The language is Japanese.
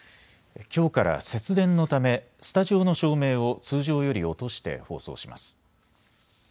きょうから節電のためスタジオの照明を通常より落として放送します。